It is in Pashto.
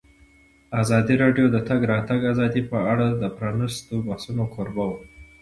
ازادي راډیو د د تګ راتګ ازادي په اړه د پرانیستو بحثونو کوربه وه.